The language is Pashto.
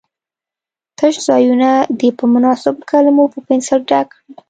تش ځایونه دې په مناسبو کلمو په پنسل ډک کړي.